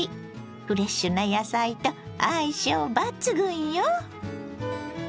フレッシュな野菜と相性抜群よ。